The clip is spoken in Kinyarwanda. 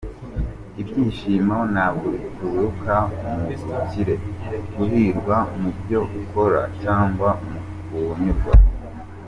Ibyishimo ntabwo bituruka mu bukire, guhirwa mu byo ukora cyangwa mu kunyurwa.